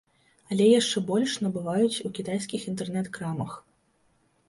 Але яшчэ больш набываюць у кітайскіх інтэрнэт-крамах.